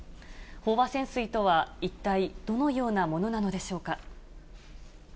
飽和潜水とは一体、どのようなものなのでしょうか。